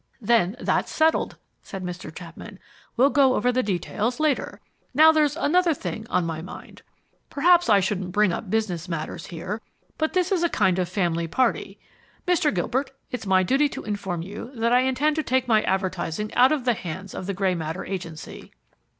"Then that's settled," said Mr. Chapman. "We'll go over the details later. Now there's another thing on my mind. Perhaps I shouldn't bring up business matters here, but this is a kind of family party Mr. Gilbert, it's my duty to inform you that I intend to take my advertising out of the hands of the Grey Matter Agency."